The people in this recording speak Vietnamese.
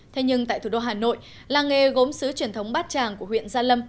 thế nhưng tại thủ đô hà nội làng nghề gốm xứ truyền thống bát tràng của huyện gia lâm